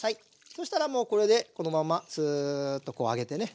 そしたらもうこれでこのままツーッとこうあげてね。